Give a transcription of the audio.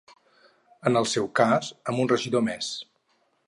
En el seu cas, amb un regidor més.